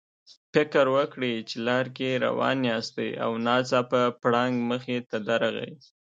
فکر وکړئ چې لار کې روان یاستئ او ناڅاپه پړانګ مخې ته درغی.